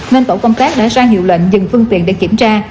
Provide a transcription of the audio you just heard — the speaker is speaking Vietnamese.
nên tổ công tác đã ra hiệu lệnh dừng phương tiện để kiểm tra